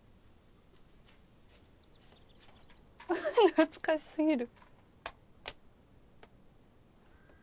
懐かしすぎる。